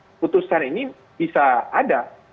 keputusan ini bisa ada